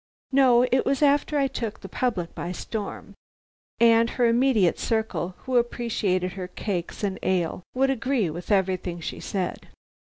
"No, it was after I took the public by storm." And her immediate circle, who appreciated her cakes and ale, would agree with everything she said.